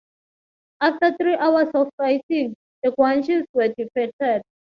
After three hours of fighting, the Guanches were defeated.